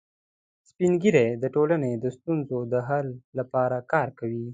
سپین ږیری د ټولنې د ستونزو د حل لپاره کار کوي